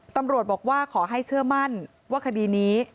ตำรวจบอกว่าขอให้เชื่อมั่นว่าคดีนี้